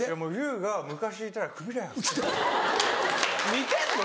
・似てんの？